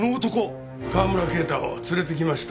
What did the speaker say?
川村啓太を連れてきました。